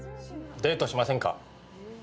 デートしませんか？